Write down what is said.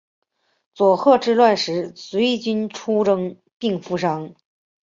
佐贺之乱时随军出征并负伤。